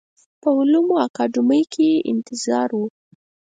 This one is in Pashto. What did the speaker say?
په علومو اکاډمۍ کې یې انتظار و.